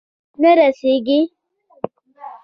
نه رسیږې